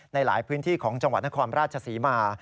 ในหลายพื้นที่ของจังหวัดนครราชศรีมา